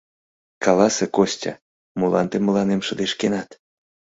— Каласе, Костя, молан тый мыланем шыдешкенат?